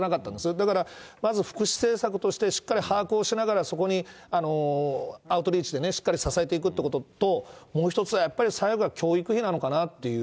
だからまず福祉政策としてしっかり把握をしながらそこにアウトリーチで、しっかり支えていくということと、もう１つはやっぱり最後は教育費なのかなという。